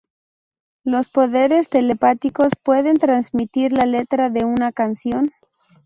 ¿Los poderes telepáticos pueden transmitir la letra de una canción?